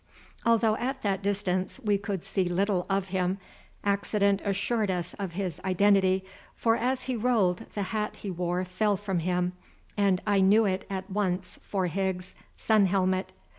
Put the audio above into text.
Although at that distance we could see little of him, accident assured us of his identity, for as he rolled the hat he wore fell from him, and I knew it at once for Higgs's sun helmet.